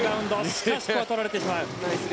しかし、ここは取られてしまう。